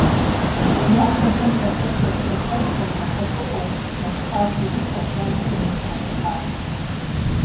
Ящэхэм сахэплъэщ-сахэплъэри нэхъыфӀыӀуэу, нэхъ къабзэу къысфӀэщӀар зейм сыбгъэдыхьащ.